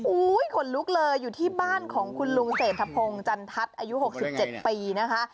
ขนลุกเลยอยู่ที่บ้านของคุณลุงเศรษฐพงศ์จันทัศน์อายุ๖๗ปีนะคะ